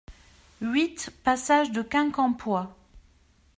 huit passage de Quincampoix